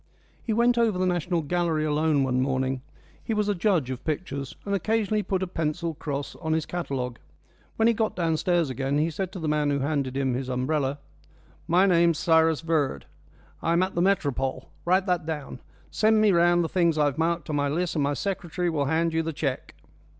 He went over the National Gallery alone one morning; he was a judge of pictures, and occasionally he put a pencil cross on his catalogue. When he got downstairs again he said to the man who handed him his umbrella: "My name's Cyrus Verd, and I'm at the Métropole. Write that down. Send me round the things I've marked on my list and my secretary will hand you the cheque."